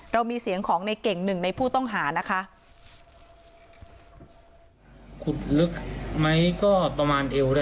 เรามีเสียงของในเก่งหนึ่งในผู้ต้องหานะคะ